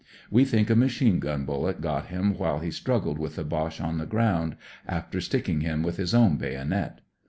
We think a machine gun bullet got him while he struggled with the Roche on the groimd, after sticking him with his own bayonet.